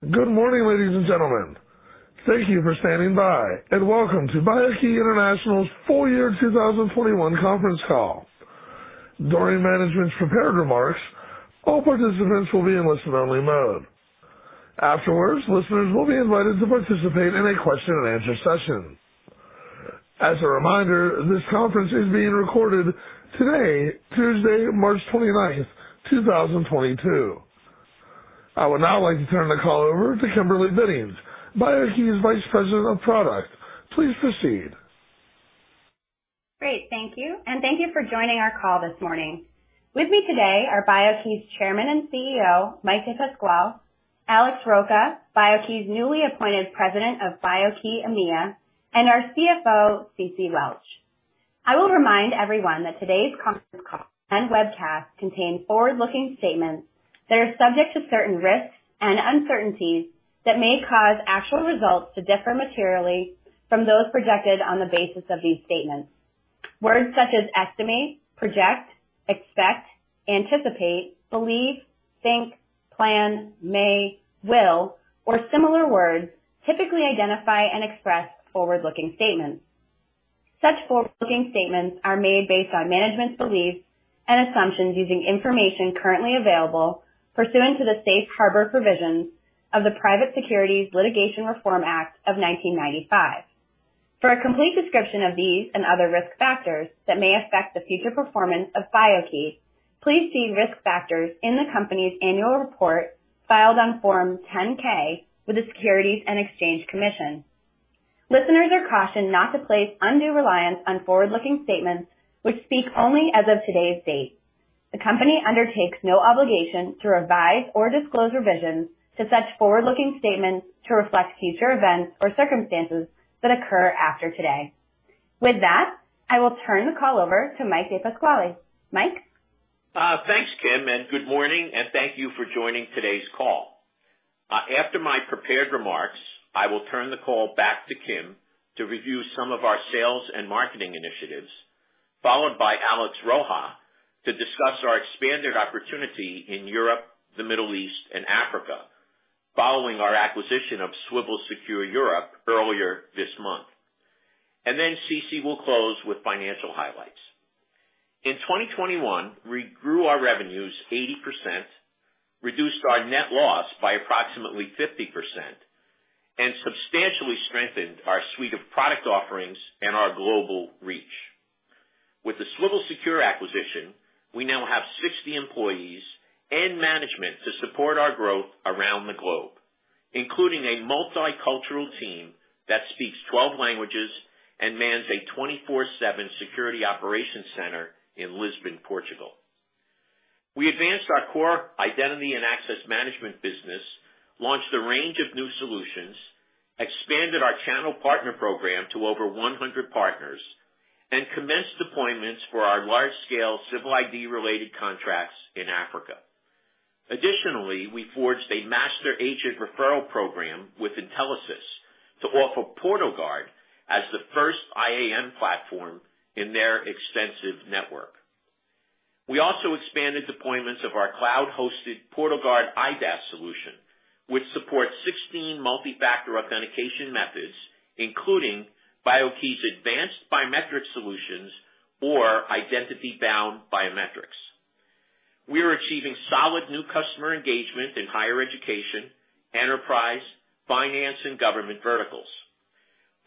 Good morning, ladies and gentlemen. Thank you for standing by, and welcome to BIO-key International's Full Year 2021 Conference Call. During management's prepared remarks, all participants will be in listen only mode. Afterwards, listeners will be invited to participate in a question and answer session. As a reminder, this conference is being recorded today, Tuesday, March 29, 2022. I would now like to turn the call over to Kimberly Biddings, BIO-key's Vice President of Product. Please proceed. Great. Thank you. Thank you for joining our call this morning. With me today are BIO-key's Chairman and CEO, Mike DePasquale, Alex Rocha, BIO-key's newly appointed President of BIO-key EMEA, and our CFO, Ceci Welch. I will remind everyone that today's conference call and webcast contain forward-looking statements that are subject to certain risks and uncertainties that may cause actual results to differ materially from those projected on the basis of these statements. Words such as estimate, project, expect, anticipate, believe, think, plan, may, will, or similar words typically identify and express forward-looking statements. Such forward-looking statements are made based on management's beliefs and assumptions using information currently available pursuant to the safe harbor provisions of the Private Securities Litigation Reform Act of 1995. For a complete description of these and other risk factors that may affect the future performance of BIO-key, please see risk factors in the company's annual report filed on Form 10-K with the Securities and Exchange Commission. Listeners are cautioned not to place undue reliance on forward-looking statements which speak only as of today's date. The company undertakes no obligation to revise or disclose revisions to such forward-looking statements to reflect future events or circumstances that occur after today. With that, I will turn the call over to Mike DePasquale. Mike. Thanks, Kim, and good morning, and thank you for joining today's call. After my prepared remarks, I will turn the call back to Kim to review some of our sales and marketing initiatives, followed by Alex Rocha to discuss our expanded opportunity in Europe, the Middle East and Africa, following our acquisition of Swivel Secure Europe earlier this month. Then Ceci will close with financial highlights. In 2021, we grew our revenues 80%, reduced our net loss by approximately 50%, and substantially strengthened our suite of product offerings and our global reach. With the Swivel Secure acquisition, we now have 60 employees and management to support our growth around the globe, including a multicultural team that speaks 12 languages and mans a 24/7 security operations center in Lisbon, Portugal. We advanced our core identity and access management business, launched a range of new solutions, expanded our channel partner program to over 100 partners, and commenced deployments for our large-scale civil ID-related contracts in Africa. Additionally, we forged a Master Agent referral program with Intelisys to offer PortalGuard as the first IAM platform in their extensive network. We also expanded deployments of our cloud-hosted PortalGuard IDaaS solution, which supports 16 multi-factor authentication methods, including BIO-key's advanced biometric solutions or Identity-Bound Biometrics. We are achieving solid new customer engagement in higher education, enterprise, finance and government verticals,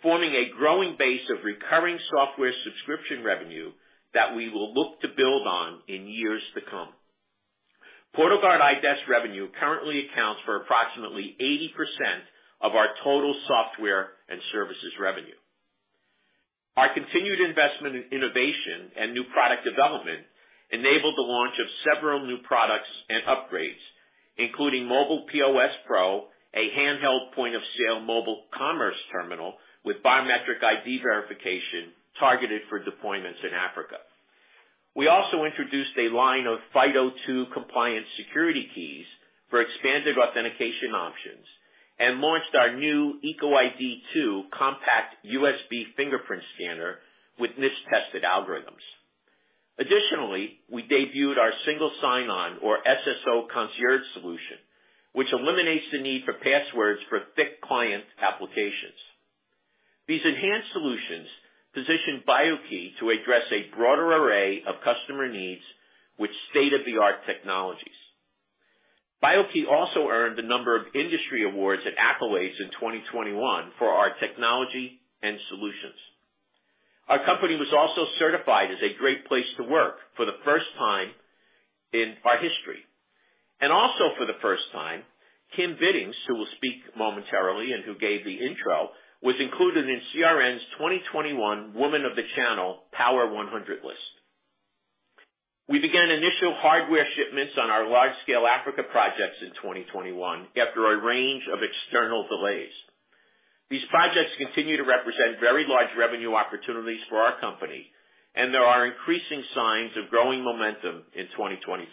forming a growing base of recurring software subscription revenue that we will look to build on in years to come. PortalGuard IDaaS revenue currently accounts for approximately 80% of our total software and services revenue. Our continued investment in innovation and new product development enabled the launch of several new products and upgrades, including MobilePOS Pro, a handheld point of sale mobile commerce terminal with biometric ID verification targeted for deployments in Africa. We also introduced a line of FIDO2 compliant security keys for expanded authentication options and launched our new EcoID II compact USB fingerprint scanner with NIST-tested algorithms. Additionally, we debuted our single sign-on or SSO Concierge solution, which eliminates the need for passwords for thick client applications. These enhanced solutions position BIO-key to address a broader array of customer needs with state-of-the-art technologies. BIO-key also earned a number of industry awards and accolades in 2021 for our technology and solutions. Our company was also certified as a great place to work for the first time in our history. Also for the first time, Kim Biddings, who will speak momentarily and who gave the intro, was included in CRN's 2021 Women of the Channel Power 100 list. We began initial hardware shipments on our large-scale Africa projects in 2021 after a range of external delays. These projects continue to represent very large revenue opportunities for our company, and there are increasing signs of growing momentum in 2022.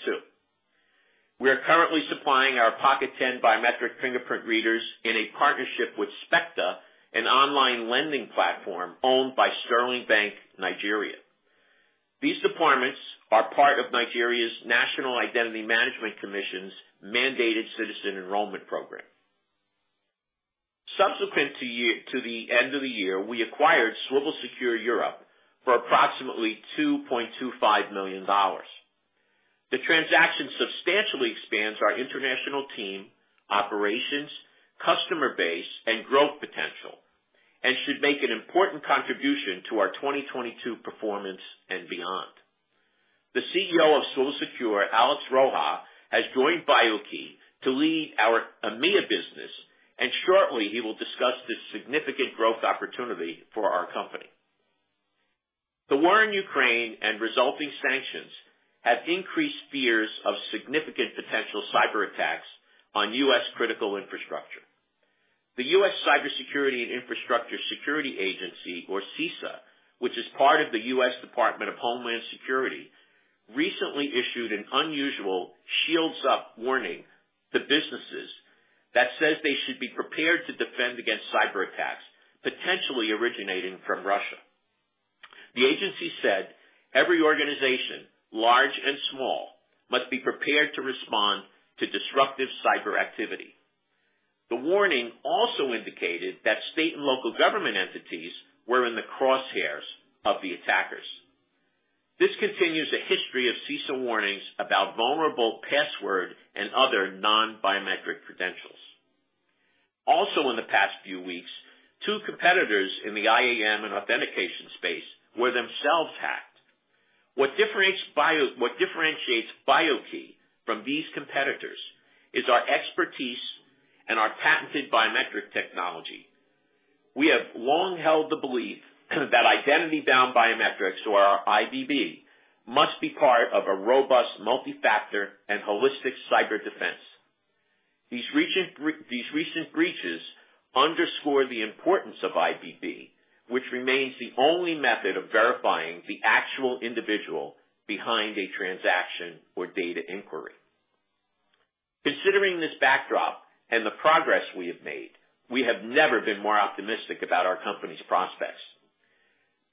We are currently supplying our Pocket10 biometric fingerprint readers in a partnership with Specta, an online lending platform owned by Sterling Bank, Nigeria. These departments are part of Nigeria's National Identity Management Commission's mandated citizen enrollment program. Subsequent to the end of the year, we acquired Swivel Secure Europe for approximately $2.25 million. The transaction substantially expands our international team, operations, customer base, and growth potential and should make an important contribution to our 2022 performance and beyond. The CEO of Swivel Secure, Alex Rocha, has joined BIO-key to lead our EMEA business, and shortly he will discuss this significant growth opportunity for our company. The war in Ukraine and resulting sanctions have increased fears of significant potential cyberattacks on U.S. critical infrastructure. The U.S. Cybersecurity and Infrastructure Security Agency, or CISA, which is part of the U.S. Department of Homeland Security, recently issued an unusual Shields Up warning to businesses that says they should be prepared to defend against cyberattacks potentially originating from Russia. The agency said every organization, large and small, must be prepared to respond to disruptive cyber activity. The warning also indicated that state and local government entities were in the crosshairs of the attackers. This continues a history of CISA warnings about vulnerable password and other non-biometric credentials. Also, in the past few weeks, two competitors in the IAM and authentication space were themselves hacked. What differentiates BIO-key from these competitors is our expertise and our patented biometric technology. We have long held the belief that Identity-Bound Biometrics or IBB must be part of a robust multifactor and holistic cyber defense. These recent breaches underscore the importance of IBB, which remains the only method of verifying the actual individual behind a transaction or data inquiry. Considering this backdrop and the progress we have made, we have never been more optimistic about our company's prospects.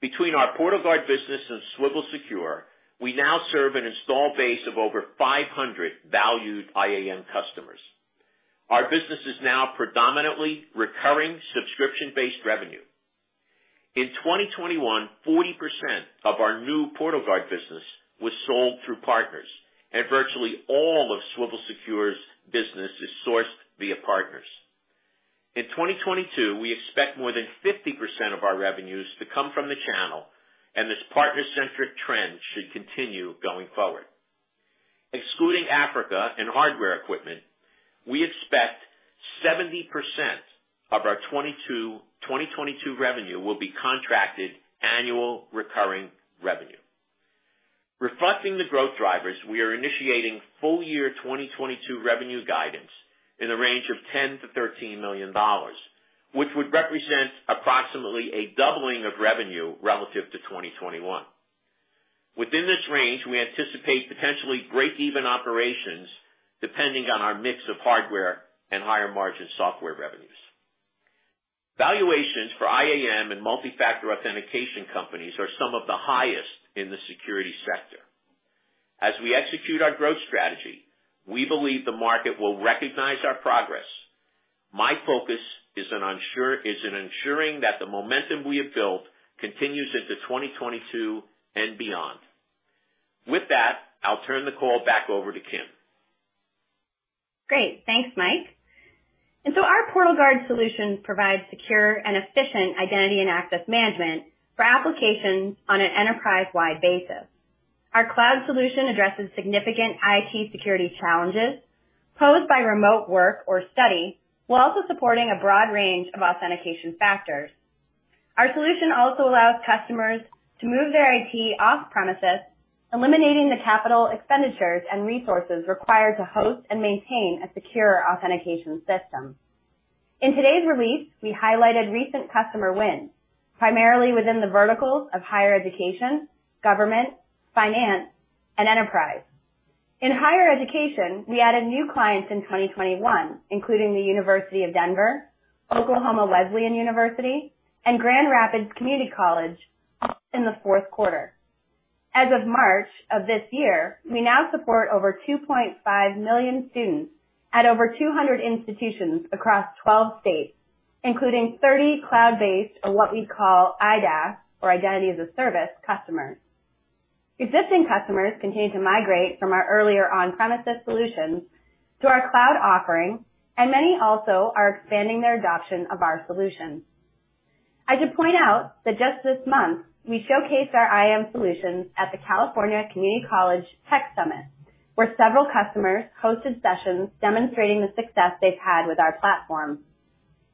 Between our PortalGuard business and Swivel Secure, we now serve an installed base of over 500 valued IAM customers. Our business is now predominantly recurring subscription-based revenue. In 2021, 40% of our new PortalGuard business was sold through partners, and virtually all of Swivel Secure's business is sourced via partners. In 2022, we expect more than 50% of our revenues to come from the channel, and this partner-centric trend should continue going forward. Excluding Africa and hardware equipment, we expect 70% of our 2022 revenue will be contracted annual recurring revenue. Reflecting the growth drivers, we are initiating full year 2022 revenue guidance in the range of $10 million-$13 million, which would represent approximately a doubling of revenue relative to 2021. Within this range, we anticipate potentially break-even operations, depending on our mix of hardware and higher margin software revenues. Valuations for IAM and multifactor authentication companies are some of the highest in the security sector. As we execute our growth strategy, we believe the market will recognize our progress. My focus is in ensuring that the momentum we have built continues into 2022 and beyond. With that, I'll turn the call back over to Kim. Great. Thanks, Mike. Our PortalGuard solutions provide secure and efficient identity and access management for applications on an enterprise-wide basis. Our cloud solution addresses significant IT security challenges posed by remote work or study, while also supporting a broad range of authentication factors. Our solution also allows customers to move their IT off premises, eliminating the capital expenditures and resources required to host and maintain a secure authentication system. In today's release, we highlighted recent customer wins, primarily within the verticals of higher education, government, finance, and enterprise. In higher education, we added new clients in 2021, including the University of Denver, Oklahoma Wesleyan University, and Grand Rapids Community College, in the fourth quarter. As of March of this year, we now support over 2.5 million students at over 200 institutions across 12 states, including 30 cloud-based, or what we'd call IDaaS, or Identity as a Service customers. Existing customers continue to migrate from our earlier on-premises solutions to our cloud offering, and many also are expanding their adoption of our solutions. I should point out that just this month, we showcased our IAM solutions at the California Community College Tech Summit, where several customers hosted sessions demonstrating the success they've had with our platform.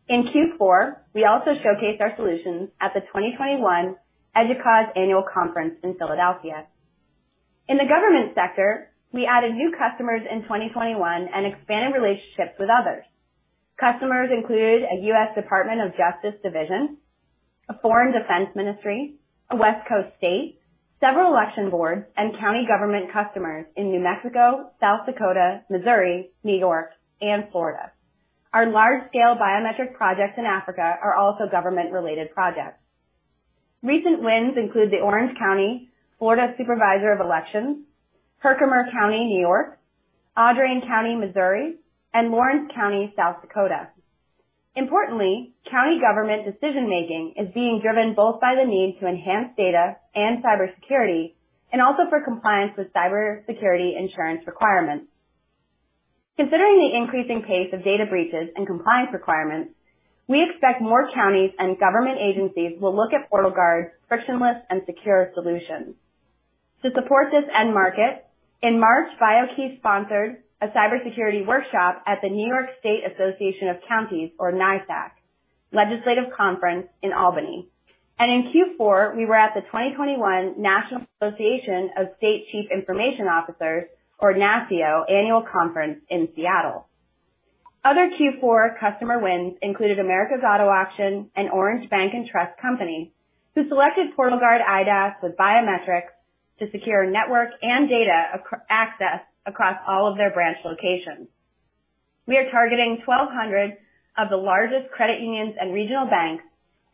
In Q4, we also showcased our solutions at the 2021 EDUCAUSE Annual Conference in Philadelphia. In the government sector, we added new customers in 2021 and expanded relationships with others. Customers included a U.S. Department of Justice division, a foreign defense ministry, a West Coast state, several election boards, and county government customers in New Mexico, South Dakota, Missouri, New York, and Florida. Our large-scale biometric projects in Africa are also government-related projects. Recent wins include the Orange County, Florida Supervisor of Elections, Herkimer County, New York, Audrain County, Missouri, and Lawrence County, South Dakota. Importantly, county government decision-making is being driven both by the need to enhance data and cybersecurity and also for compliance with cybersecurity insurance requirements. Considering the increasing pace of data breaches and compliance requirements, we expect more counties and government agencies will look at PortalGuard's frictionless and secure solutions. To support this end market, in March, BIO-key sponsored a cybersecurity workshop at the New York State Association of Counties, or NYSAC, legislative conference in Albany. In Q4, we were at the 2021 National Association of State Chief Information Officers, or NASCIO, annual conference in Seattle. Other Q4 customer wins included America's Auto Auction and Orange Bank and Trust Company, who selected PortalGuard IDaaS with biometrics to secure network and data access across all of their branch locations. We are targeting 1,200 of the largest credit unions and regional banks,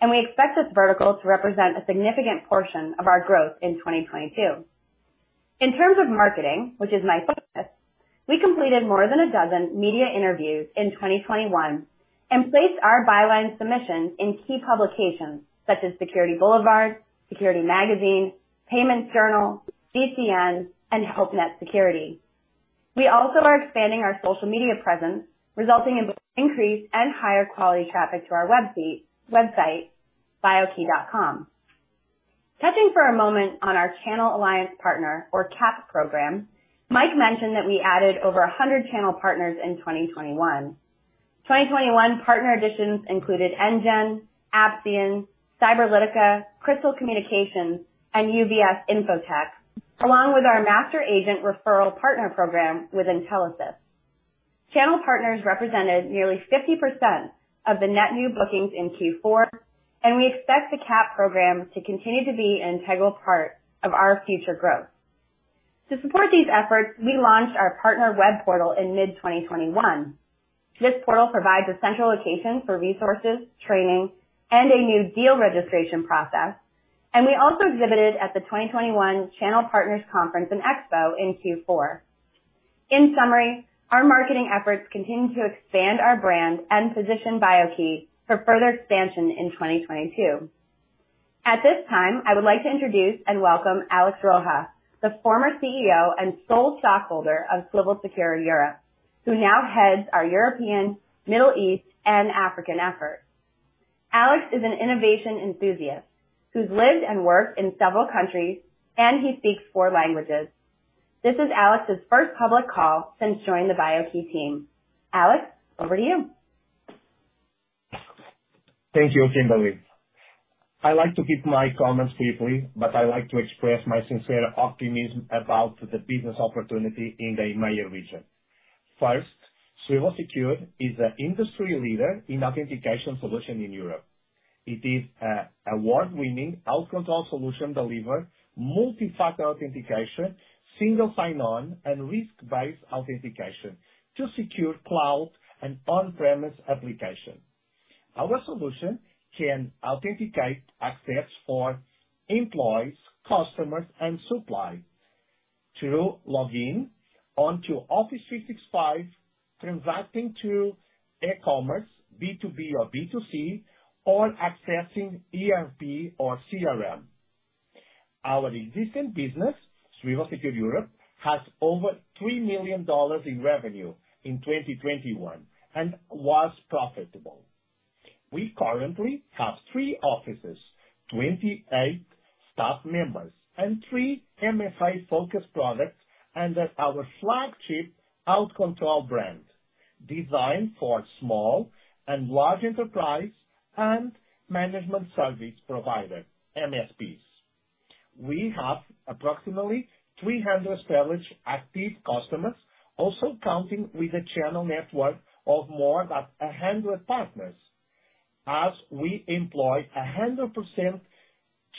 and we expect this vertical to represent a significant portion of our growth in 2022. In terms of marketing, which is my focus, we completed more than 12 media interviews in 2021 and placed our byline submissions in key publications such as Security Boulevard, Security Magazine, PaymentsJournal, GCN, and Help Net Security. We also are expanding our social media presence, resulting in increased and higher quality traffic to our website, bio-key.com. Touching for a moment on our Channel Alliance Partner, or CAP program, Mike mentioned that we added over 100 channel partners in 2021. 2021 partner additions included NGEN, Appsian, Cyberlitica, Kristel Communication, and UVS Infotech, along with our master agent referral partner program with Intelisys. Channel partners represented nearly 50% of the net new bookings in Q4, and we expect the CAP program to continue to be an integral part of our future growth. To support these efforts, we launched our partner web portal in mid-2021. This portal provides a central location for resources, training, and a new deal registration process. We also exhibited at the 2021 Channel Partners Conference & Expo in Q4. In summary, our marketing efforts continue to expand our brand and position BIO-key for further expansion in 2022. At this time, I would like to introduce and welcome Alex Rocha, the former CEO and sole stockholder of Swivel Secure Europe, who now heads our European, Middle East, and African efforts. Alex is an innovation enthusiast who's lived and worked in several countries, and he speaks four languages. This is Alex's first public call since joining the BIO-key team. Alex, over to you. Thank you, Kimberly. I like to keep my comments brief, but I like to express my sincere optimism about the business opportunity in the EMEA region. First, Swivel Secure is an industry leader in authentication solutions in Europe. It is an award-winning AuthControl solution that delivers multi-factor authentication, single sign-on, and risk-based authentication to secure cloud and on-premise applications. Our solution can authenticate access for employees, customers, and suppliers to log in to Office 365, transacting in e-commerce, B2B or B2C, or accessing ERP or CRM. Our existing business, Swivel Secure Europe, has over $3 million in revenue in 2021 and was profitable. We currently have three offices, 28 staff members and three MFA-focused products under our flagship AuthControl brand, designed for small and large enterprises and managed service providers, MSPs. We have approximately 300 established active customers, also counting with a channel network of more than 100 partners as we employ 100%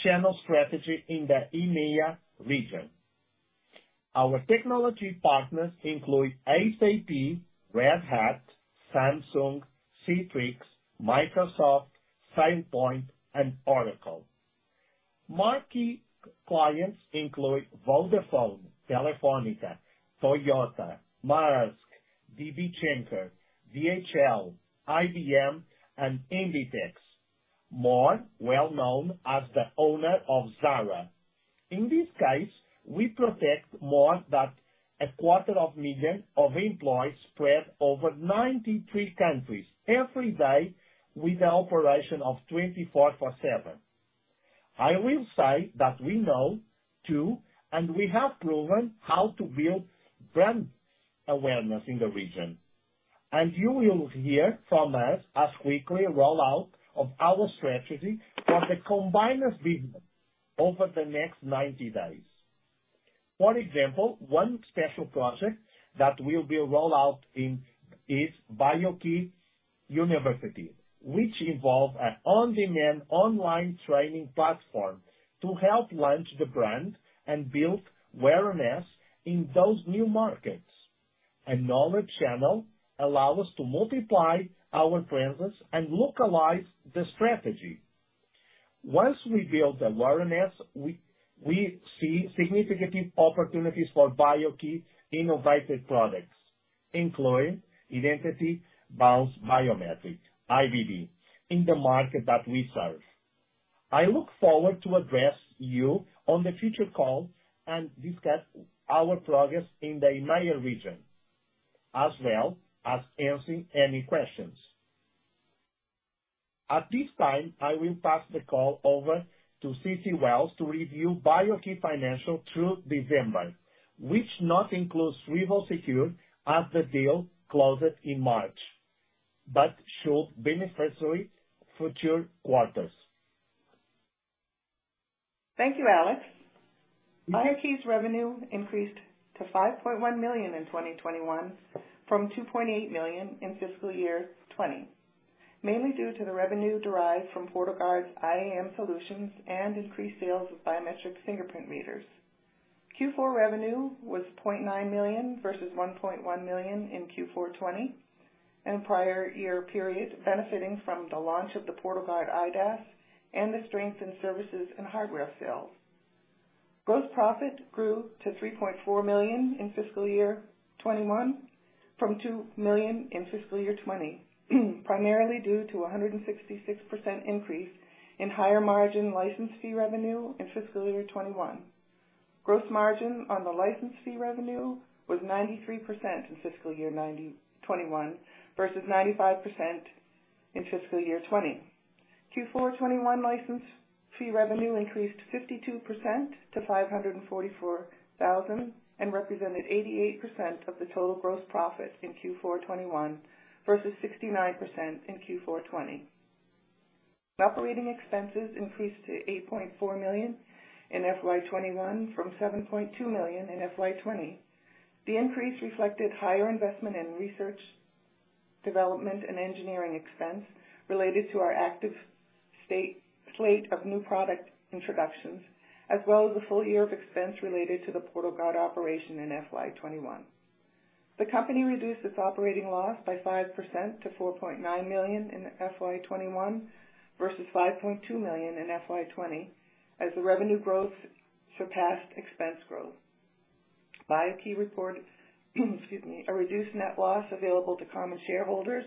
channel strategy in the EMEA region. Our technology partners include SAP, Red Hat, Samsung, Citrix, Microsoft, Check Point, and Oracle. Marquee clients include Vodafone, Telefónica, Toyota, Maersk, DB Schenker, DHL, IBM, and Inditex, more well-known as the owner of Zara. In this case, we protect more than a quarter of a million employees spread over 93 countries every day with the operation of 24/7. I will say that we know, too, and we have proven how to build brand awareness in the region. You will hear from us as we clearly roll out our strategy from the combined business over the next 90 days. For example, one special project that will be rolled out in- is BIO-key University, which involve an on-demand online training platform to help launch the brand and build awareness in those new markets. A knowledge channel allow us to multiply our presence and localize the strategy. Once we build the awareness, we see significant opportunities for BIO-key innovative products, including Identity-Bound Biometrics, IBB, in the market that we serve. I look forward to address you on the future call and discuss our progress in the EMEA region, as well as answering any questions. At this time, I will pass the call over to Ceci Welch to review BIO-key financials through December, which not includes Swivel Secure as the deal closed in March, but should benefit future quarters. Thank you, Alex. BIO-key's revenue increased to $5.1 million in 2021 from $2.8 million in fiscal year 2020, mainly due to the revenue derived from PortalGuard's IAM solutions and increased sales of biometric fingerprint readers. Q4 revenue was $0.9 million versus $1.1 million in Q4 2020 and prior year period benefiting from the launch of the PortalGuard IDaaS and the strength in services and hardware sales. Gross profit grew to $3.4 million in fiscal year 2021 from $2 million in fiscal year 2020, primarily due to a 166% increase in higher margin license fee revenue in fiscal year 2021. Gross margin on the license fee revenue was 93% in fiscal year 2021 versus 95% in fiscal year 2020. Q4 2021 license fee revenue increased 52% to $544,000, and represented 88% of the total gross profit in Q4 2021 versus 69% in Q4 2020. Operating expenses increased to $8.4 million in FY 2021 from $7.2 million in FY 2020. The increase reflected higher investment in research, development, and engineering expense related to our active slate of new product introductions, as well as the full year of expense related to the PortalGuard operation in FY 2021. The company reduced its operating loss by 5% to $4.9 million in FY 2021 versus $5.2 million in FY 2020 as the revenue growth surpassed expense growth. BIO-key reported a reduced net loss available to common shareholders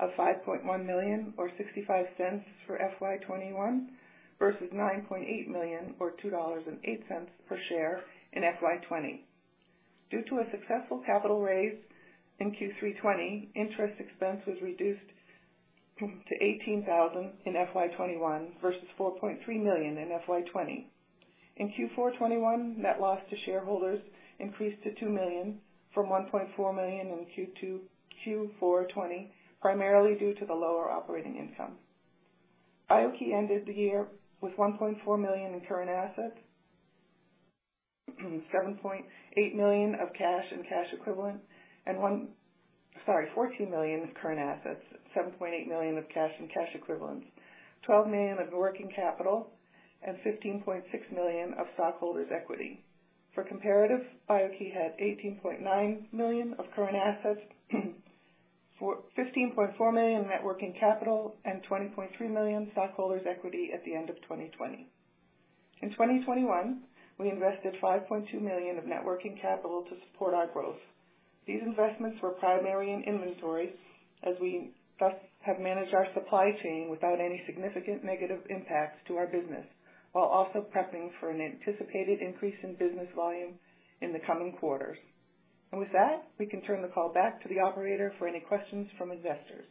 of $5.1 million or $0.65 for FY 2021 versus $9.8 million or $2.08 per share in FY 2020. Due to a successful capital raise in Q3 2020, interest expense was reduced to $18,000 in FY 2021 versus $4.3 million in FY 2020. In Q4 2021, net loss to shareholders increased to $2 million from $1.4 million in Q4 2020, primarily due to the lower operating income. BIO-key ended the year with $14 million of current assets, $7.8 million of cash and cash equivalents, $12 million of working capital, and $15.6 million of stockholders' equity. For comparative, BIO-key had $18.9 million of current assets, $15.4 million net working capital and $20.3 million stockholders' equity at the end of 2020. In 2021, we invested $5.2 million of net working capital to support our growth. These investments were primarily in inventory as we thus have managed our supply chain without any significant negative impacts to our business, while also prepping for an anticipated increase in business volume in the coming quarters. With that, we can turn the call back to the operator for any questions from investors.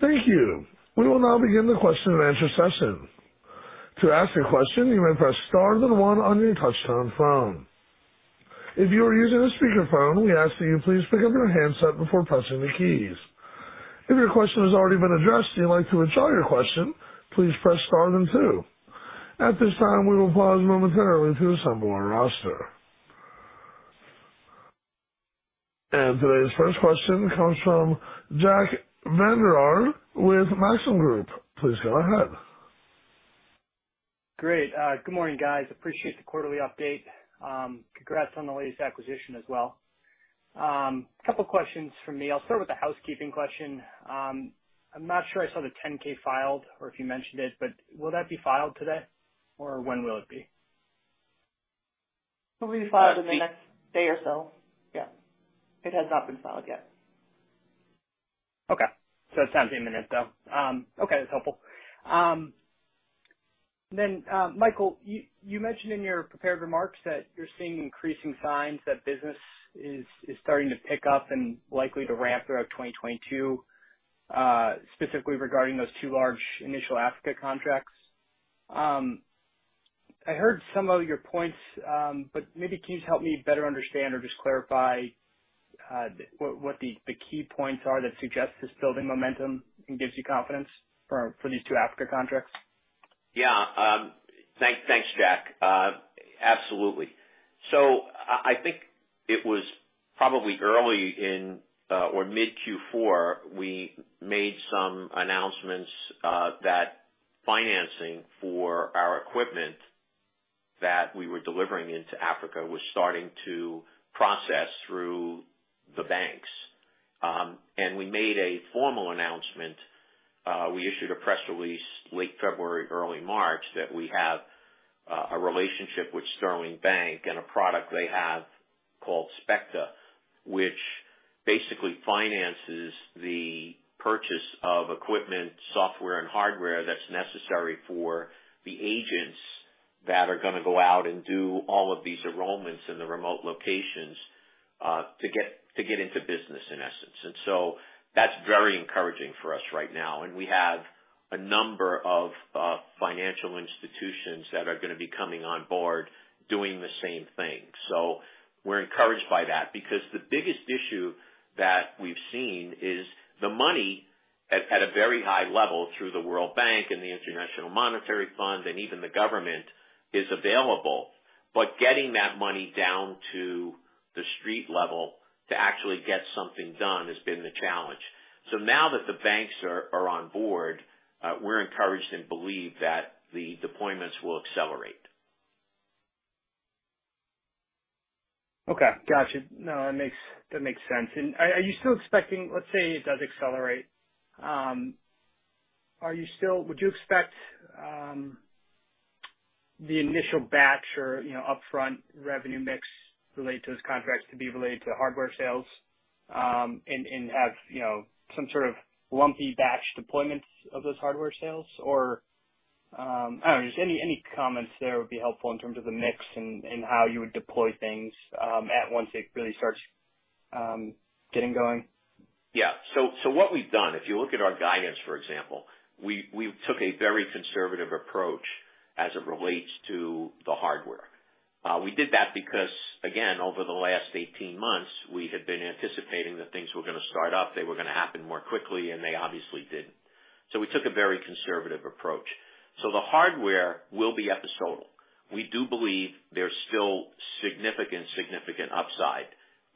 Thank you. We will now begin the Q&A session. To ask a question, you may press star then one on your touchtone phone. If you are using a speakerphone, we ask that you please pick up your handset before pressing the keys. If your question has already been addressed and you'd like to withdraw your question, please press star then two. At this time, we will pause momentarily to assemble our roster. Today's first question comes from Jack Vander Aarde with Maxim Group. Please go ahead. Great. Good morning, guys. Appreciate the quarterly update. Congrats on the latest acquisition as well. Couple questions from me. I'll start with a housekeeping question. I'm not sure I saw the 10-K filed or if you mentioned it, but will that be filed today? Or when will it be? It will be filed in the next day or so. Yeah. It has not been filed yet. Okay. So, it sounds immenent though. Okay, that's helpful. Then, Michael, you mentioned in your prepared remarks that you're seeing increasing signs that business is starting to pick up and likely to ramp throughout 2022, specifically regarding those two large initial Africa contracts. I heard some of your points, but maybe can you just help me better understand or just clarify what the key points are that suggest this building momentum and gives you confidence for these two Africa contracts? Yeah. Thanks, Jack. Absolutely. I think it was probably early in or mid Q4, we made some announcements that financing for our equipment that we were delivering into Africa was starting to process through the banks. We made a formal announcement, we issued a press release late February, early March, that we have a relationship with Sterling Bank and a product they have called Specta, which basically finances the purchase of equipment, software and hardware that's necessary for the agents that are gonna go out and do all of these enrollments in the remote locations to get into business, in essence. That's very encouraging for us right now. We have a number of financial institutions that are gonna be coming on board doing the same thing. We're encouraged by that because the biggest issue that we've seen is the money at a very high level through the World Bank and the International Monetary Fund and even the government is available. Getting that money down to the street level to actually get something done has been the challenge. Now that the banks are on board, we're encouraged and believe that the deployments will accelerate. Okay. Gotcha. No, that makes sense. Are you still expecting- let's say it does accelerate- would you expect the initial batch or, you know, upfront revenue mix related to those contracts to be related to hardware sales and have some sort of lumpy batch deployments of those hardware sales? Or I don't know- just any comments there would be helpful in terms of the mix and how you would deploy things once it really starts getting going. Yeah. What we've done, if you look at our guidance, for example, we took a very conservative approach as it relates to the hardware. We did that because, again, over the last 18 months, we had been anticipating that things were gonna start up, they were gonna happen more quickly, and they obviously didn't. We took a very conservative approach. The hardware will be episodic. We do believe there's still significant upside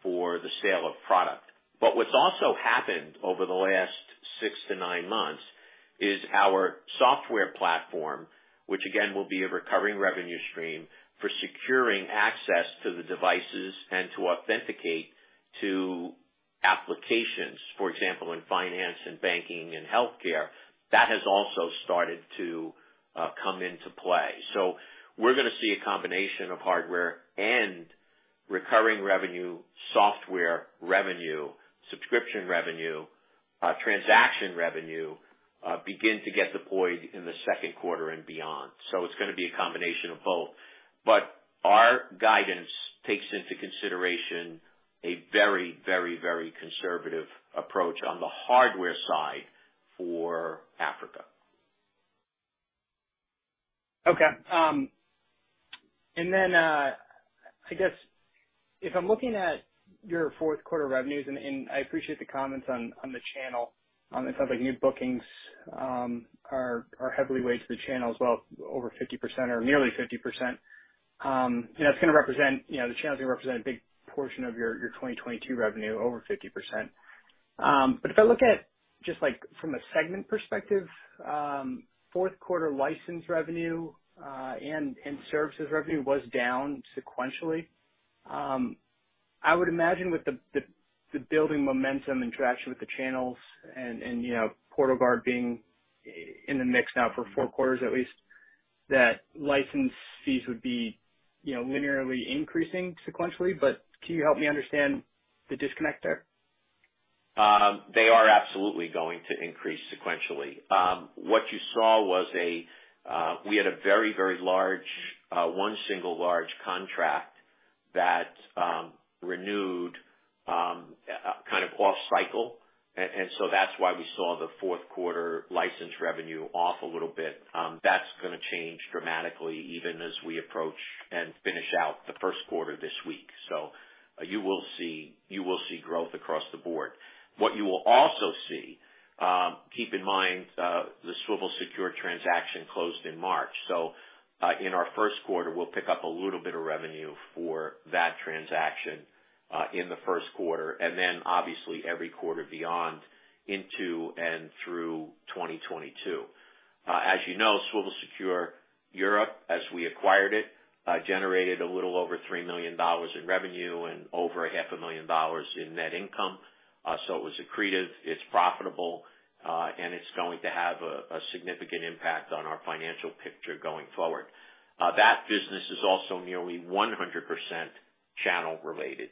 for the sale of product. But what's also happened over the last six to nine months is our software platform, which again will be a recurring revenue stream for securing access to the devices and to authenticate to applications. For example, in finance and banking and healthcare, that has also started to come into play. We're gonna see a combination of hardware and recurring revenue, software revenue, subscription revenue, transaction revenue, begin to get deployed in the second quarter and beyond. It's gonna be a combination of both. Our guidance takes into consideration a very conservative approach on the hardware side for Africa. Okay. I guess if I'm looking at your fourth quarter revenues, and I appreciate the comments on the channel, it sounds like new bookings are heavily weighted to the channel as well, over 50% or nearly 50%. You know, it's gonna represent, you know, the channel's gonna represent a big portion of your 2022 revenue, over 50%. If I look at just like from a segment perspective, fourth quarter license revenue and services revenue was down sequentially. I would imagine with the building momentum and traction with the channels and, you know, PortalGuard being in the mix now for four quarters at least, that license fees would be, you know, linearly increasing sequentially. Can you help me understand the disconnect there? They are absolutely going to increase sequentially. What you saw was we had a very large one single large contract that renewed kind of off cycle. That's why we saw the fourth quarter license revenue off a little bit. That's gonna change dramatically even as we approach and finish out the first quarter this week. You will see growth across the board. What you will also see, keep in mind, the Swivel Secure transaction closed in March. In our first quarter, we'll pick up a little bit of revenue for that transaction in the first quarter, and then obviously every quarter beyond into and through 2022. As you know, Swivel Secure Europe, as we acquired it, generated a little over $3 million in revenue and over $0.5 million in net income. It was accretive, it's profitable, and it's going to have a significant impact on our financial picture going forward. That business is also nearly 100% channel related.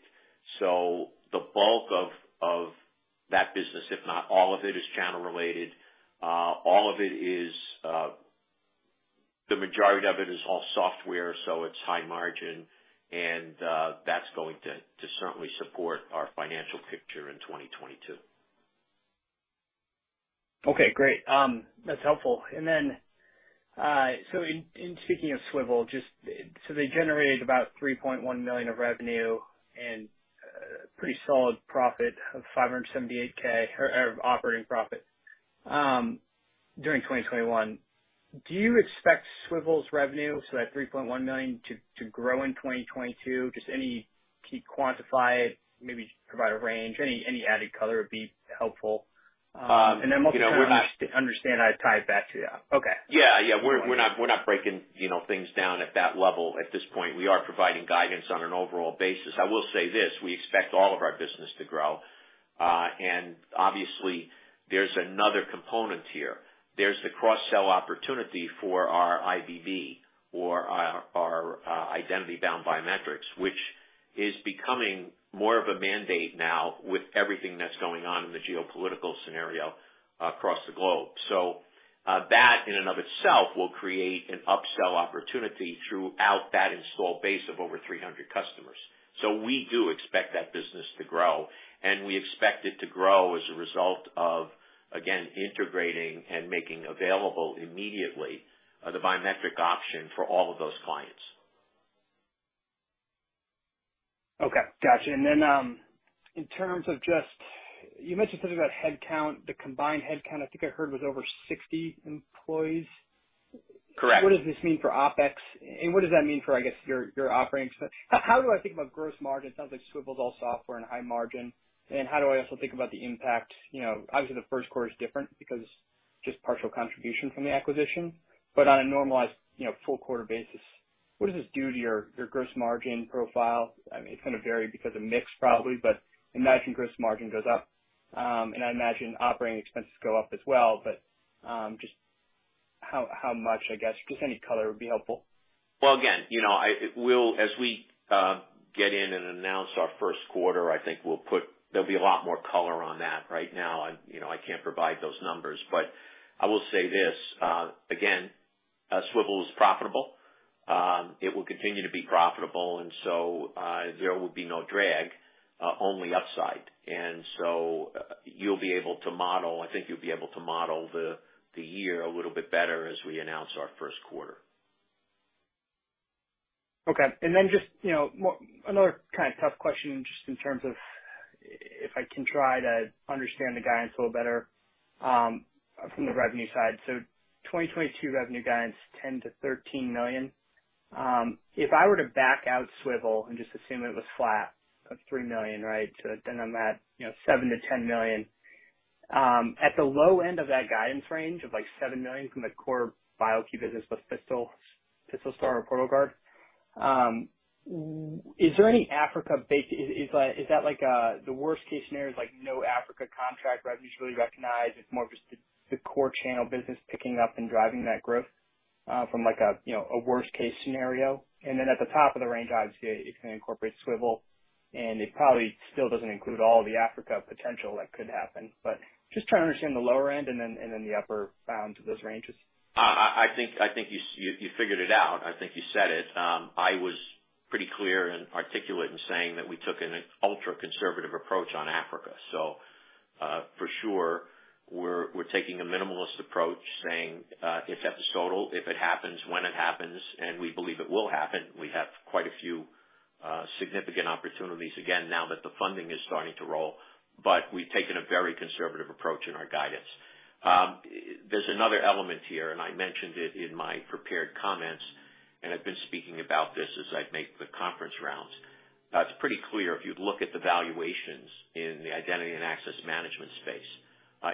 The bulk of that business, if not all of it, is channel related. The majority of it is all software, so it's high margin and that's going to certainly support our financial picture in 2022. Okay, great. That's helpful. Then, in speaking of Swivel, just so they generated about $3.1 million of revenue and pretty solid profit of $578,000 or operating profit during 2021. Do you expect Swivel's revenue, that $3.1 million to grow in 2022? Can you quantify it, maybe provide a range. Any added color would be helpful. Then we'll... You know, we're not. ...understand how to tie it back to that. Okay. Yeah, yeah. We're not breaking, you know, things down at that level. At this point, we are providing guidance on an overall basis. I will say this, we expect all of our business to grow. Obviously there's another component here. There's the cross-sell opportunity for our IBB or our Identity-Bound Biometrics, which is becoming more of a mandate now with everything that's going on in the geopolitical scenario across the globe. That in and of itself will create an upsell opportunity throughout that installed base of over 300 customers. We do expect that business to grow, and we expect it to grow as a result of, again, integrating and making available immediately the biometric option for all of those clients. Okay. Gotcha. In terms of just, you mentioned something about headcount, the combined headcount, I think I heard was over 60 employees. Correct. What does this mean for OpEx and what does that mean for, I guess, your operating expenses? How do I think about gross margin? It sounds like Swivel's all software and high margin. How do I also think about the impact? You know, obviously the first quarter is different because just partial contribution from the acquisition, but on a normalized, you know, full quarter basis, what does this do to your gross margin profile? I mean, it's gonna vary because of mix probably, but imagine gross margin goes up, and I imagine operating expenses go up as well. Just how much, I guess, just any color would be helpful. Well, again, you know, we'll as we get in and announce our first quarter, I think we'll put. There'll be a lot more color on that. Right now, I'm, you know, I can't provide those numbers. I will say this, again, Swivel is profitable. It will continue to be profitable and so there will be no drag, only upside. You'll be able to model, I think you'll be able to model the year a little bit better as we announce our first quarter. Okay. Another kind of tough question, just in terms of if I can try to understand the guidance a little better, from the revenue side. 2022 revenue guidance, $10 million-$13 million. If I were to back out Swivel and just assume it was flat at $3 million, right? So then I'm at, you know, $7 million-$10 million. At the low end of that guidance range of like $7 million from the core BIO-key business with PistolStar or PortalGuard, is there any Africa-based. Is that like the worst-case scenario is like no Africa contract revenues really recognized? It's more of just the core channel business picking up and driving that growth, from like a, you know, a worst case scenario. Then at the top of the range, obviously it can incorporate Swivel, and it probably still doesn't include all the Africa potential that could happen. Just trying to understand the lower end and then the upper bounds of those ranges. I think you figured it out. I think you said it. I was pretty clear and articulate in saying that we took an ultra-conservative approach on Africa. For sure, we're taking a minimalist approach, saying it's episodic, if it happens when it happens, and we believe it will happen. We have quite a few significant opportunities again, now that the funding is starting to roll, but we've taken a very conservative approach in our guidance. There's another element here, and I mentioned it in my prepared comments, and I've been speaking about this as I make the conference rounds. It's pretty clear if you look at the valuations in the identity and access management space,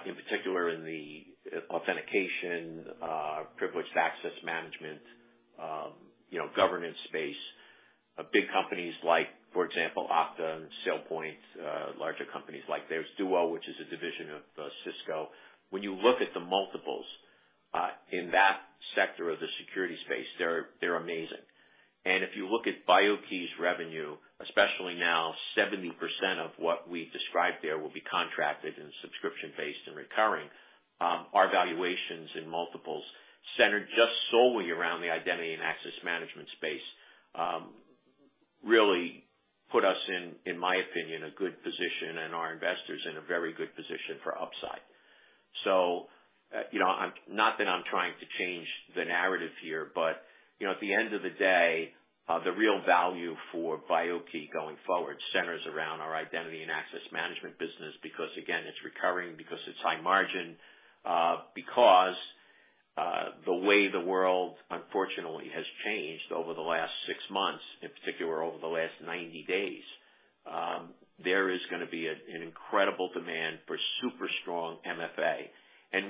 in particular in the authentication, privileged access management, you know, governance space, big companies like, for example, Okta and SailPoint, larger companies like there's Duo, which is a division of, Cisco. When you look at the multiples, in that sector of the security space, they're amazing. If you look at BIO-key's revenue, especially now, 70% of what we described there will be contracted and subscription-based and recurring. Our valuations in multiples centered just solely around the identity and access management space, really put us in my opinion, a good position and our investors in a very good position for upside. You know, not that I'm trying to change the narrative here, at the end of the day, the real value for BIO-key going forward centers around our identity and access management business because again, it's recurring because it's high margin. Because the way the world unfortunately has changed over the last six months, in particular over the last 90 days, there is gonna be an incredible demand for super strong MFA.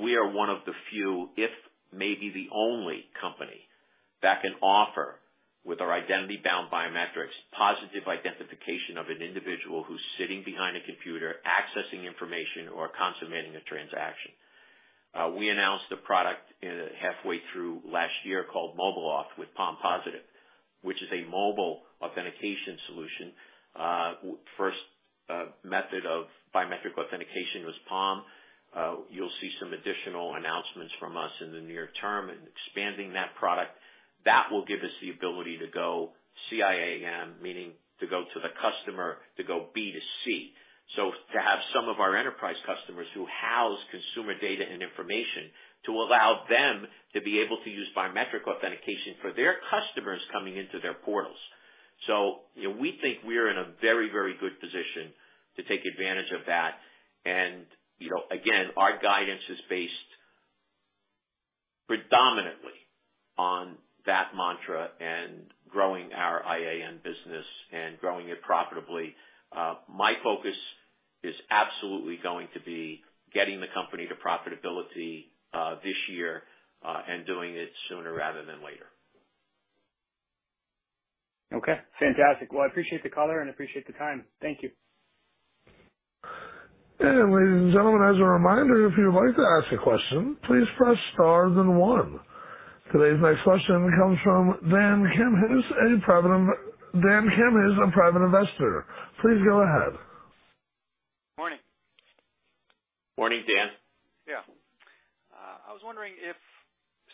We are one of the few, if maybe the only company that can offer with our Identity-Bound Biometrics, positive identification of an individual who's sitting behind a computer, accessing information or consummating a transaction. We announced a product halfway through last year called MobileAuth with PalmPositive, which is a mobile authentication solution. First method of biometric authentication was Palm. You'll see some additional announcements from us in the near term in expanding that product. That will give us the ability to go CIAM, meaning to go to the customer, to go B2C. So, some of our enterprise customers who house consumer data and information to allow them to be able to use biometric authentication for their customers coming into their portals. You know, we think we're in a very, very good position to take advantage of that. You know, again, our guidance is based predominantly on that mantra and growing our IAM business and growing it profitably. My focus is absolutely going to be getting the company to profitability this year and doing it sooner rather than later. Okay, fantastic. Well, I appreciate the color and appreciate the time. Thank you. Ladies and gentlemen, as a reminder, if you'd like to ask a question, please press star then one. Today's next question comes from Dan Kim, who's a private investor. Please go ahead. Morning. Morning, Dan. I was wondering if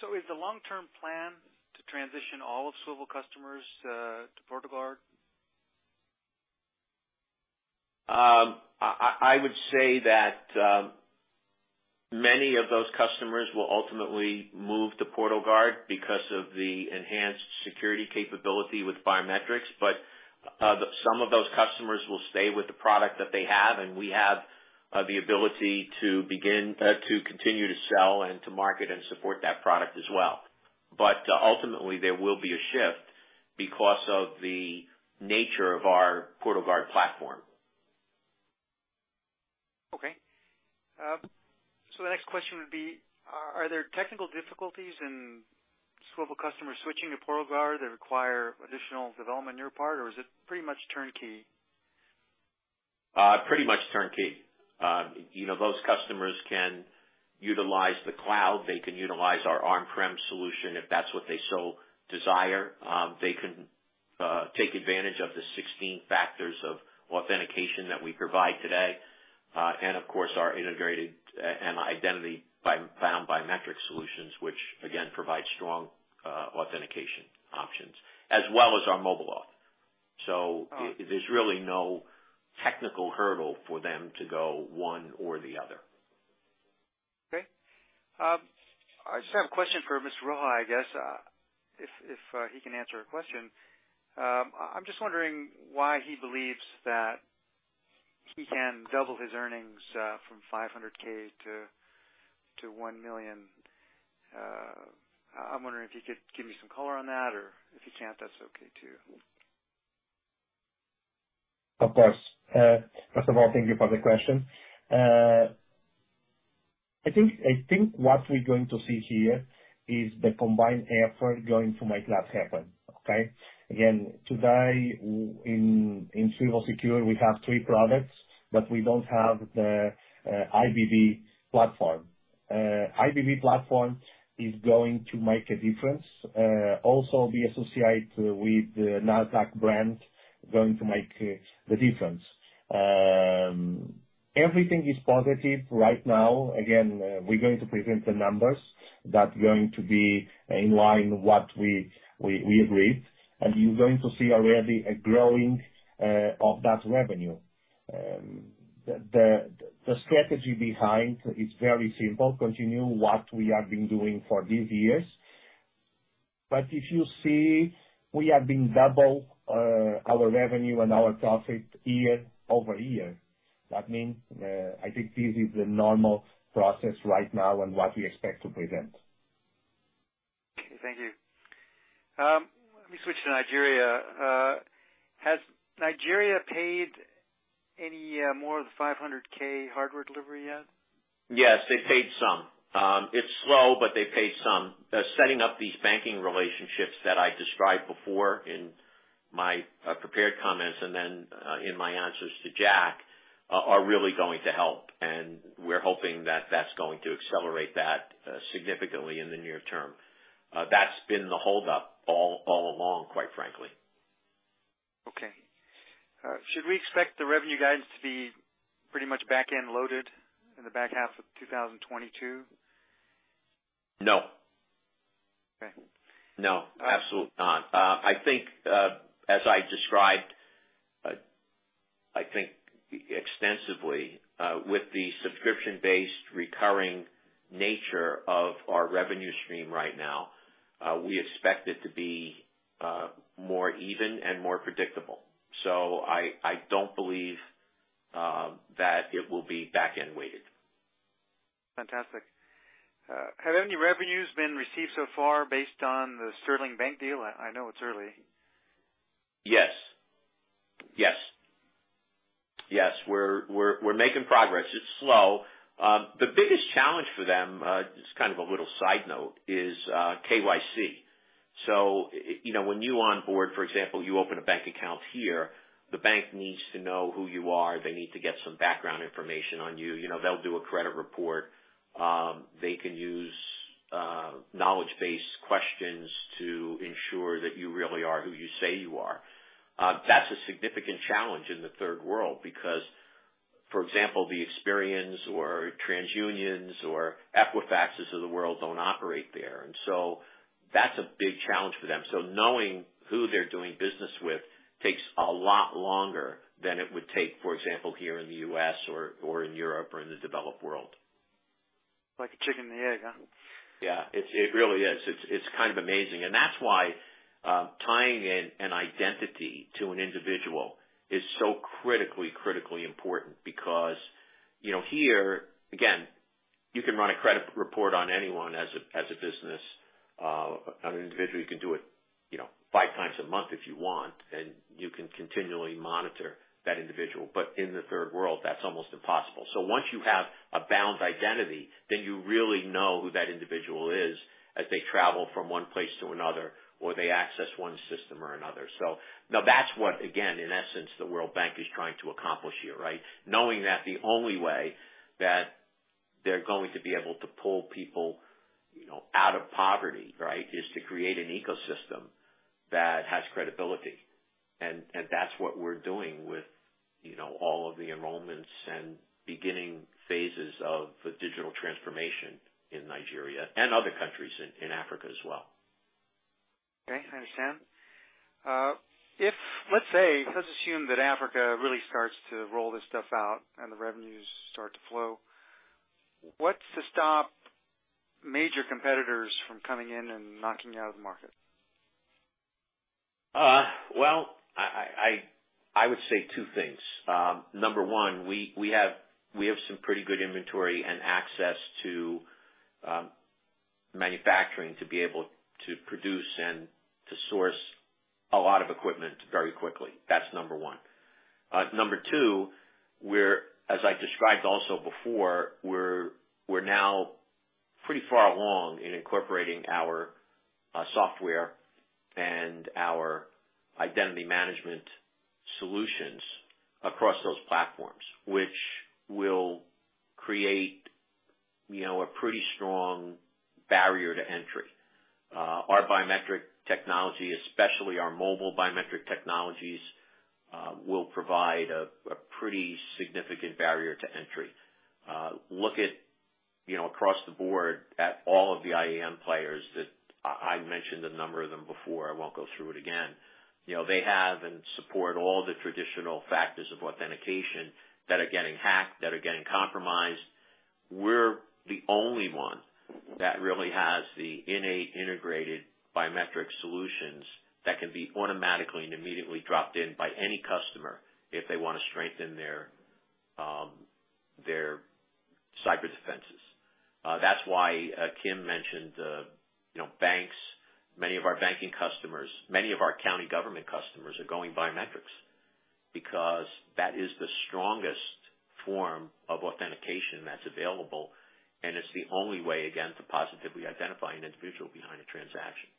so is the long-term plan to transition all of Swivel customers to PortalGuard? I would say that many of those customers will ultimately move to PortalGuard because of the enhanced security capability with biometrics. Some of those customers will stay with the product that they have, and we have the ability to continue to sell and to market and support that product as well. Ultimately there will be a shift because of the nature of our PortalGuard platform. Okay. The next question would be, are there technical difficulties in Swivel customers switching to PortalGuard that require additional development on your part, or is it pretty much turnkey? Pretty much turnkey. You know, those customers can utilize the cloud. They can utilize our on-prem solution if that's what they so desire. They can take advantage of the 16 factors of authentication that we provide today. And of course, our integrated IAM and Identity-Bound biometric solutions, which again provides strong authentication options as well as our MobileAuth. There's really no technical hurdle for them to go one or the other. Okay. I just have a question for Mr. Rocha, I guess. If he can answer a question. I'm just wondering why he believes that he can double his earnings from $500,000 to $1 million. I'm wondering if you could give me some color on that, or if you can't, that's okay too. Of course. First of all, thank you for the question. I think what we're going to see here is the combined effort going to make that happen. Okay? Again, today in Swivel Secure, we have three products, but we don't have the IBB platform. IBB platform is going to make a difference. Also be associated with the Nartek brand going to make the difference. Everything is positive right now. Again, we're going to present the numbers. That's going to be in line what we agreed. You're going to see already a growth of that revenue. The strategy behind is very simple, continue what we have been doing for these years. If you see, we have been doubling our revenue and our profit year over year. That means, I think this is the normal process right now and what we expect to present. Okay, thank you. Let me switch to Nigeria. Has Nigeria paid any more of the $500,000 hardware delivery yet? Yes, they paid some. It's slow, but they paid some. They're setting up these banking relationships that I described before in my prepared comments and then in my answers to Jack are really going to help. We're hoping that that's going to accelerate that significantly in the near term. That's been the hold up all along, quite frankly. Okay. Should we expect the revenue guidance to be pretty much back-end loaded in the back half of 2022? No. Okay. No, absolutely not. I think, as I described, I think extensively, with the subscription-based recurring nature of our revenue stream right now, we expect it to be more even and more predictable. I don't believe that it will be back-end weighted. Fantastic. Have any revenues been received so far based on the Sterling Bank deal? I know it's early. Yes. We're making progress. It's slow. The biggest challenge for them, just kind of a little side note is KYC. You know, when you onboard, for example, you open a bank account here, the bank needs to know who you are. They need to get some background information on you. You know, they'll do a credit report. They can use knowledge-based questions to ensure that you really are who you say you are. That's a significant challenge in the Third World because, for example, Experian or TransUnion or Equifax of the world don't operate there. That's a big challenge for them. Knowing who they're doing business with takes a lot longer than it would take, for example, here in the U.S. or in Europe or in the developed world. Like a chicken and the egg, huh? Yeah, it really is. It's kind of amazing. That's why tying in an identity to an individual is so critically important because, you know, here, again, you can run a credit report on anyone as a business, an individual, you can do it, you know, five times a month if you want, and you can continually monitor that individual. In the third world, that's almost impossible. Once you have a bound identity, then you really know who that individual is as they travel from one place to another or they access one system or another. Now that's what, again, in essence, the World Bank is trying to accomplish here, right? Knowing that the only way that they're going to be able to pull people, you know, out of poverty, right, is to create an ecosystem that has credibility. That's what we're doing with, you know, all of the enrollments and beginning phases of the digital transformation in Nigeria and other countries in Africa as well. Okay, I understand. If let's say, let's assume that Africa really starts to roll this stuff out and the revenues start to flow, what's to stop major competitors from coming in and knocking you out of the market? Well, I would say two things. Number one, we have some pretty good inventory and access to manufacturing to be able to produce and to source a lot of equipment very quickly. That's number one. Number two, we're, as I described also before, we're now pretty far along in incorporating our software and our identity management solutions across those platforms, which will create, you know, a pretty strong barrier to entry. Our biometric technology, especially our mobile biometric technologies, will provide a pretty significant barrier to entry. Look at, you know, across the board at all of the IAM players that I mentioned a number of them before. I won't go through it again. You know, they have and support all the traditional factors of authentication that are getting hacked, that are getting compromised. We're the only one that really has the innate integrated biometric solutions that can be automatically and immediately dropped in by any customer if they wanna strengthen their cyber defenses. That's why Kim mentioned, you know, banks, many of our banking customers, many of our county government customers are going biometrics because that is the strongest form of authentication that's available, and it's the only way again to positively identify an individual behind a transaction.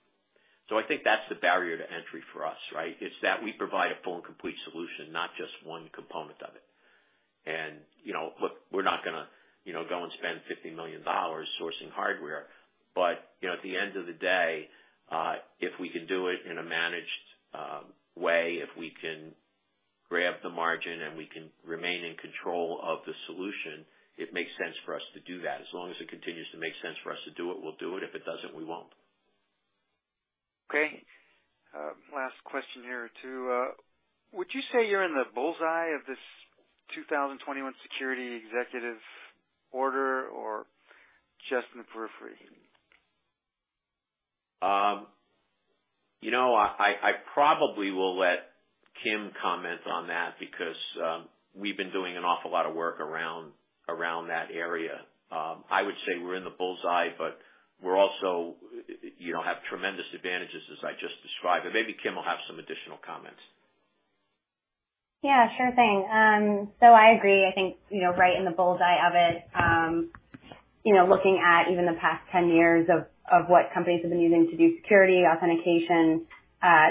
So I think that's the barrier to entry for us, right? It's that we provide a full and complete solution, not just one component of it. You know, look, we're not gonna, you know, go and spend $50 million sourcing hardware. You know, at the end of the day, if we can do it in a managed way, if we can grab the margin and we can remain in control of the solution, it makes sense for us to do that. As long as it continues to make sense for us to do it, we'll do it. If it doesn't, we won't. Okay. Last question here too. Would you say you're in the bull's eye of this 2021 security executive order or just in the periphery? You know, I probably will let Kim comment on that because we've been doing an awful lot of work around that area. I would say we're in the bull's eye, but we're also, you know, have tremendous advantages as I just described. Maybe Kim will have some additional comments. Yeah, sure thing. I agree. I think, you know, right in the bull's eye of it, you know, looking at even the past 10 years of what companies have been using to do security authentication,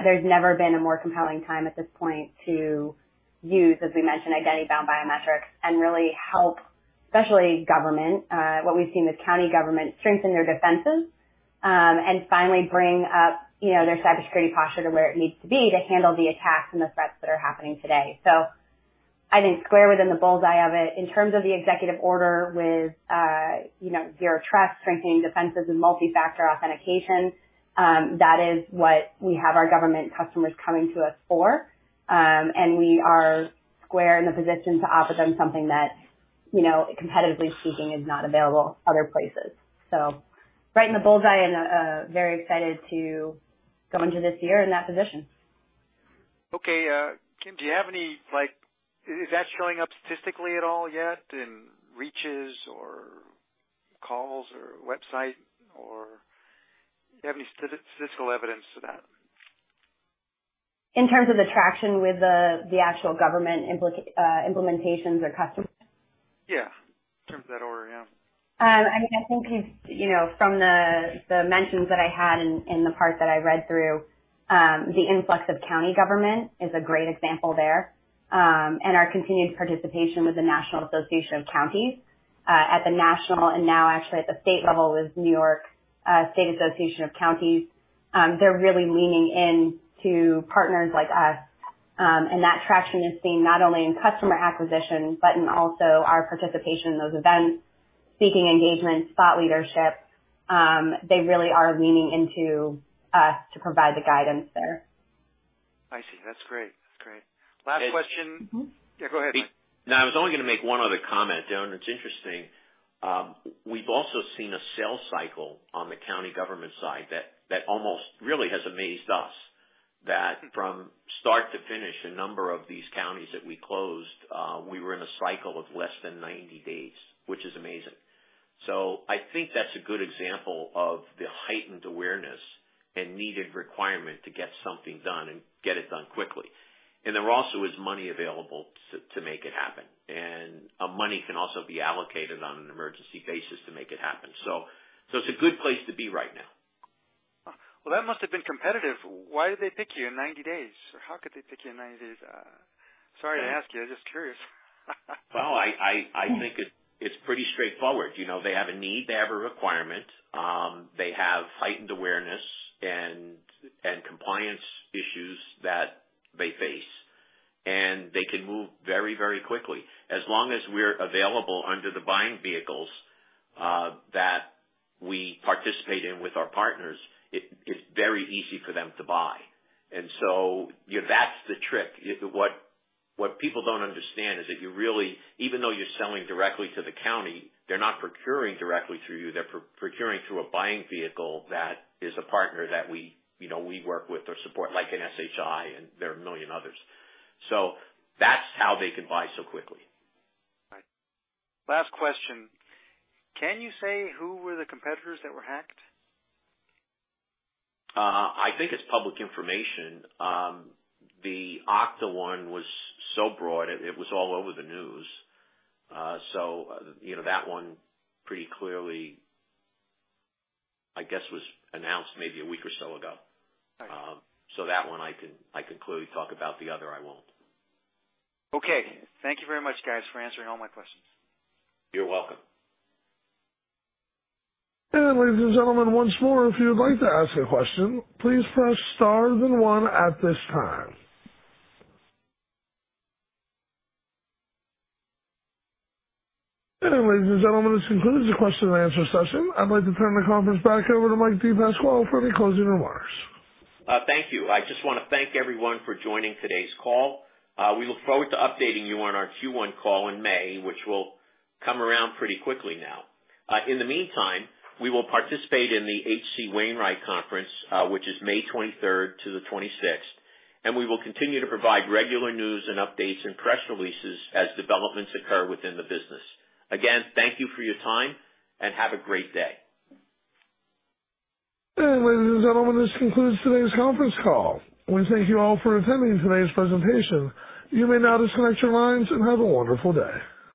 there's never been a more compelling time at this point to use, as we mentioned, Identity-Bound Biometrics and really help, especially government, what we've seen with county government strengthen their defenses, and finally bring up, you know, their cybersecurity posture to where it needs to be to handle the attacks and the threats that are happening today. I think squarely within the bull's eye of it. In terms of the executive order with, you know, zero trust, strengthening defenses and multi-factor authentication, that is what we have our government customers coming to us for. We are square in the position to offer them something that, you know, competitively speaking is not available other places. Right in the bull's eye and, very excited to go into this year in that position. Okay. Kim, do you have any like- is that showing up statistically at all yet in reaches or calls or website or do you have any statistical evidence to that? In terms of the traction with the actual government implementations or customers? Yeah. In terms of that order, yeah. I mean, I think, you know, from the mentions that I had in the part that I read through, the influx of county government is a great example there. Our continued participation with the National Association of Counties at the national and now actually at the state level with New York State Association of Counties, they're really leaning in to partners like us. That traction is seen not only in customer acquisition, but also in our participation in those events, speaking engagements, thought leadership. They really are leaning into us to provide the guidance there. I see. That's great. Last question. And- Yeah, go ahead. No, I was only gonna make one other comment, Dan. It's interesting- we've also seen a sales cycle on the county government side that almost really has amazed us, that from start to finish, a number of these counties that we closed, we were in a cycle of less than 90 days, which is amazing. I think that's a good example of the heightened awareness and needed requirement to get something done and get it done quickly. There also is money available to make it happen. Money can also be allocated on an emergency basis to make it happen. It's a good place to be right now. Well, that must have been competitive. Why did they pick you in 90 days? Or how could they pick you in 90 days? Sorry to ask you, I'm just curious. Well, I think it's pretty straightforward. You know, they have a need, they have a requirement, they have heightened awareness and compliance issues that they face, and they can move very quickly. As long as we're available under the buying vehicles that we participate in with our partners, it's very easy for them to buy. You know, that's the trick. What people don't understand is that you really, even though you're selling directly to the county, they're not procuring directly through you. They're procuring through a buying vehicle that is a partner that we work with or support, like an SHI, and there are a million others. That's how they can buy so quickly. Right. Last question. Can you say who were the competitors that were hacked? I think it's public information. The Okta one was so broad, it was all over the news. You know, that one pretty clearly, I guess, was announced maybe a week or so ago. Right. That one I can clearly talk about. The other, I won't. Okay. Thank you very much, guys, for answering all my questions. You're welcome. Ladies and gentlemen, once more, if you would like to ask a question, please press star then one at this time. Ladies and gentlemen, this concludes the Q&A session. I'd like to turn the conference back over to Mike DePasquale for any closing remarks. Thank you. I just wanna thank everyone for joining today's call. We look forward to updating you on our Q1 call in May, which will come around pretty quickly now. In the meantime, we will participate in the H.C. Wainwright Conference, which is May 23rd to the 26th, and we will continue to provide regular news and updates and press releases as developments occur within the business. Again, thank you for your time, and have a great day. Ladies and gentlemen, this concludes today's conference call. We thank you all for attending today's presentation. You may now disconnect your lines, and have a wonderful day.